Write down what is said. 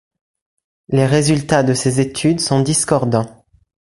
Les résultats de ces études sont discordants.